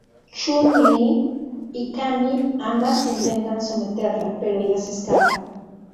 Chun Li y Cammy ambas intentan someterla, pero ella se escapa.